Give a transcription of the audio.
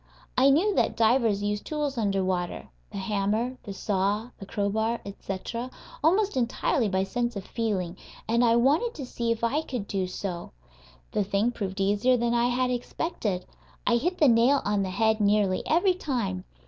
I knew that divers use tools under water the hammer, the saw, the crowbar, etc. almost entirely by sense of feeling, and I wanted to see if I could do so. The thing proved easier than I had expected. I hit the nail on the head nearly every time.